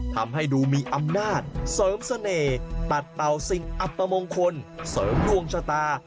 ทำให้ดูมีอำนาจเสริมเสน่ห์ปัดเป่าสิ่งอัปมงคลเสริมดวงชะตา